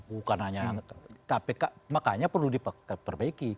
bukan hanya kpk makanya perlu diperbaiki